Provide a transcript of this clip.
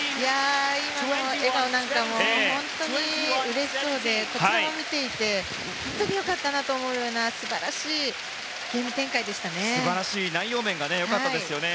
今の笑顔なんかも本当にうれしそうでこちらも見ていて本当に良かったなと思うような素晴らしいゲーム展開でしたね。